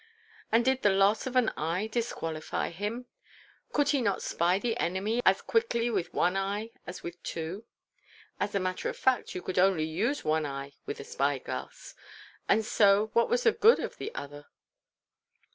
And did the loss of an eye disqualify him? Could he not spy the enemy as quickly with one eye as with two? As a matter of fact, you could only use one eye with a spy glass, and so, what was the good of the other?